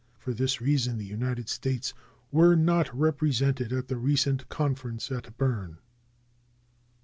For this reason the United States were not represented at the recent conference at Berne.